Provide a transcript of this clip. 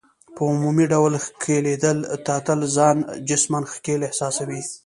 په عمومي ډول ښکیلېدل، ته تل ځان جسماً ښکېل احساسوې.